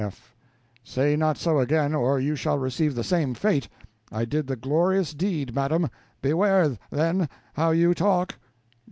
F. Say not so again, or you shall receive the same fate. I did the glorious deed, madam beware, then, how you talk.